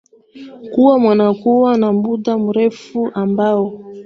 kuwa wanakuwa na muda mrefu ambao